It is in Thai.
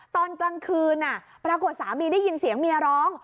ตอนกลางคืนปรากฏสามีได้ยินเสียงเมียร้อง